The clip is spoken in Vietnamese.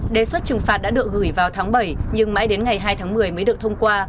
đề xuất trừng phạt đã được gửi vào tháng bảy nhưng mãi đến ngày hai tháng một mươi mới được thông qua